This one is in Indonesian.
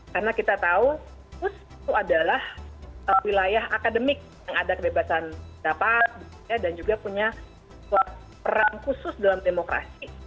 karena kita tahu kampus itu adalah wilayah akademik yang ada kebebasan pendapat dan juga punya peran khusus dalam demokrasi